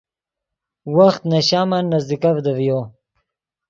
وخت نے شامن نزدیکڤدے ڤیو